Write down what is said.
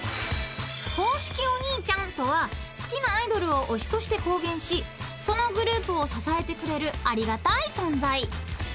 ［公式お兄ちゃんとは好きなアイドルを推しとして公言しそのグループを支えてくれるありがたい存在］